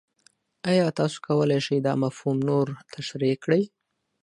ایا تاسو کولی شئ دا مفهوم نور تشریح کړئ؟